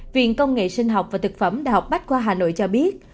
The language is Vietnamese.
viện công nghệ sinh học và thực phẩm đh bách khoa hà nội cho biết